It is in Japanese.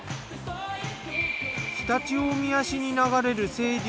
常陸大宮市に流れる清流